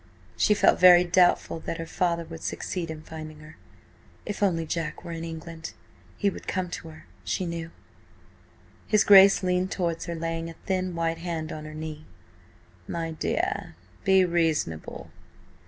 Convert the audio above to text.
She felt very doubtful that her father would succeed in finding her. If only Jack were in England! He would come to her, she knew. His Grace leaned towards her, laying a thin, white hand on her knee. "My dear, be reasonable.